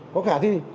có khả thi